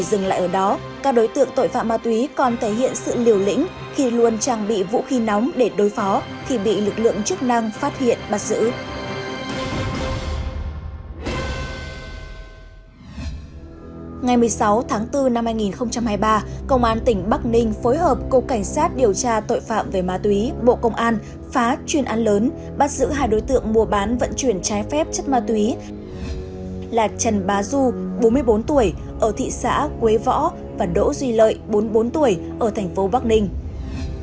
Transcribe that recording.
hai mươi sáu tháng bốn năm hai nghìn hai mươi ba công an tỉnh bắc ninh phối hợp cục cảnh sát điều tra tội phạm về ma túy bộ công an phá chuyên án lớn bắt giữ hai đối tượng mua bán vận chuyển trái phép chất ma túy là trần bá du bốn mươi bốn tuổi ở thị xã quế võ và đỗ duy lợi bốn mươi bốn tuổi ở thành phố bắc ninh